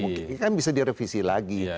ini kan bisa direvisi lagi